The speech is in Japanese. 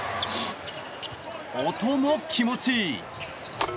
音も気持ちいい！